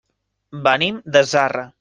Venim de Zarra.